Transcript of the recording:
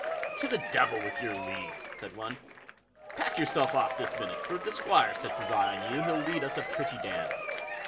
"To the devil with your leave", said one. "Pack yourself off this minute, for if the Squire sets his eye on you, he'll lead us a pretty dance."